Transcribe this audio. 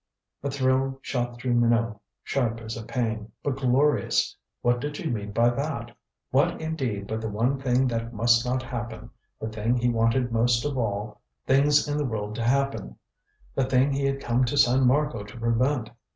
A thrill shot through Minot, sharp as a pain, but glorious. What did she mean by that? What indeed but the one thing that must not happen the thing he wanted most of all things in the world to happen the thing he had come to San Marco to prevent.